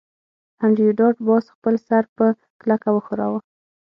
انډریو ډاټ باس خپل سر په کلکه وښوراوه